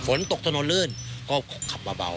ฝนตกถนนลื่นก็ขับเบา